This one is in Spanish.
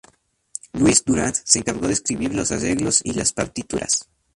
Luis Durand se encargó de escribir los arreglos y las partituras.